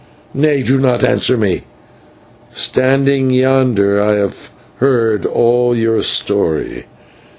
Nay, do not answer me. Standing yonder I have heard all your story.